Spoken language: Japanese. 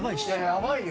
やばいよ。